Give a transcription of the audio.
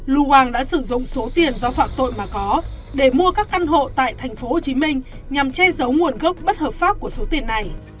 lu hoàng đã sử dụng số tiền do phạm tội mà có để mua các căn hộ tại tp hcm nhằm che giấu nguồn gốc bất hợp pháp của số tiền này